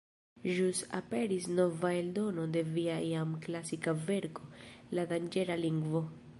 Ĵus aperis nova eldono de via jam klasika verko ”La danĝera lingvo”.